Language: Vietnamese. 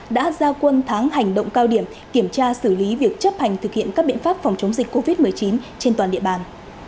đã giao quân tháng hành động cao điểm kiểm tra xử lý việc chấp hành thực hiện các biện pháp phòng chống dịch covid một mươi chín trên toàn địa bàn